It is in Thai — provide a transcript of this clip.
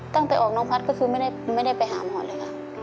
ตั้งแต่ออกน้องพัฒน์ก็คือไม่ได้ไปหาหมอเลยค่ะ